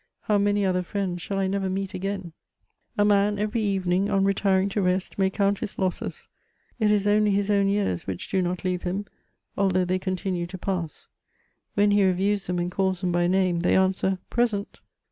How many other friends shall I never meet again ! A man, every evening, on re tiring to rest, may coimt his losses ; it is only his own years which do not leave him, although they continue to pass ; when he re views them and calb them by name, they answer ''present